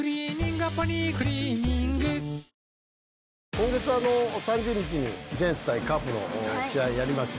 今月３０日にジャイアンツ対カープの試合やります。